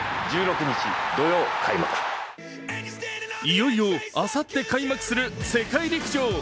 いよいよあさって開幕する世界陸上。